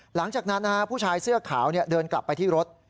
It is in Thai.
หลังจากนั้นผู้ชายเสื้อขาวเดินกลับไปที่รถ